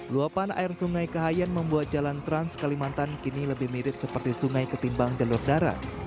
luapan air sungai kahayan membuat jalan trans kalimantan kini lebih mirip seperti sungai ketimbang jalur darat